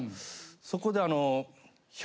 そこであの。